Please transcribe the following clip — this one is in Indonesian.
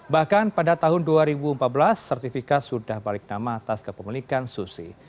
bahkan pada tahun dua ribu empat belas sertifikat sudah balik nama atas kepemilikan susi